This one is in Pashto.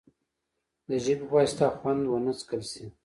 د ژبې په واسطه خوند ونه څکل شي.